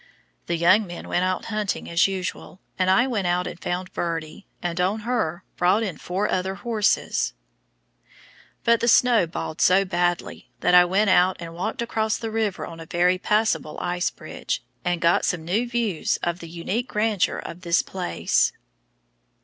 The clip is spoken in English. The young men went out hunting as usual, and I went out and found Birdie, and on her brought in four other horses, but the snow balled so badly that I went out and walked across the river on a very passable ice bridge, and got some new views of the unique grandeur of this place.